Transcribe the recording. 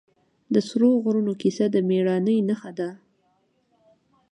د سرو غرونو کیسه د مېړانې نښه ده.